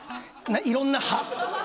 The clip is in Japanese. いろんな派！